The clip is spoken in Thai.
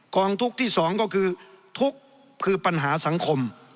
องทุกข์ที่๒ก็คือทุกข์คือปัญหาสังคม